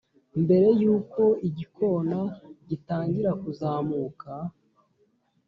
mbere yuko igikona gitangira kuzamuka;